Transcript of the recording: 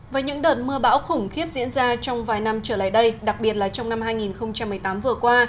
với những đợt mưa bão khủng khiếp diễn ra trong vài năm trở lại đây đặc biệt là trong năm hai nghìn một mươi tám vừa qua